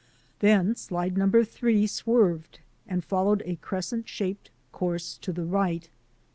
Then slide number three swerved and followed a crescent shaped course to the right.